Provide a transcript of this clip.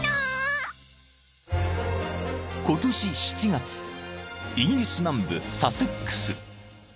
［今年７月イギリス南部サセックス］